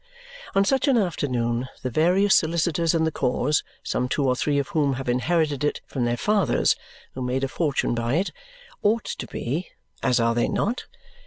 On such an afternoon the various solicitors in the cause, some two or three of whom have inherited it from their fathers, who made a fortune by it, ought to be as are they not?